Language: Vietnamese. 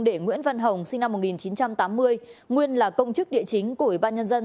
để nguyễn văn hồng sinh năm một nghìn chín trăm tám mươi nguyên là công chức địa chính của ủy ban nhân dân